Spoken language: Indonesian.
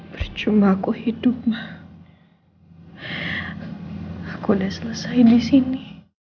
bercuma aku hidup mak aku udah selesai di sini